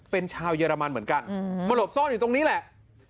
เป็นชาวเยอรมันเหมือนกันมาหลบซ่อนอยู่ตรงนี้แหละ